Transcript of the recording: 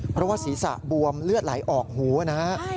เพราะว่าศีรษะบวมเลือดไหลออกหูนะครับ